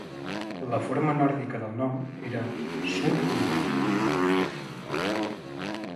La forma nòrdica del nom era "Surkudalr".